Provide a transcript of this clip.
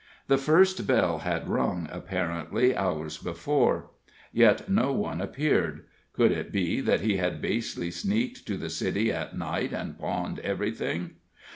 The first bell had rung, apparently, hours before, yet no one appeared could it be that he had basely sneaked to the city at night and pawned everything?